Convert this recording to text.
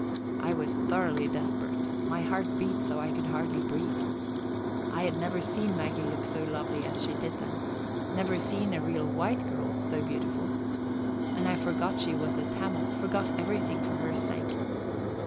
I was thoroughly desperate. My heart beat so I could hardly breathe. I had never seen Maggie look so lovely as she did then never seen a real white girl so beautiful. And I forgot she was a Tamil forgot everything for her sake.